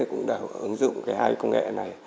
cũng đã ứng dụng hai công nghệ này